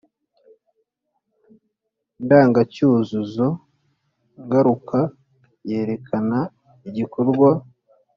indangacyuzuzo ngaruka yerekana igikorwa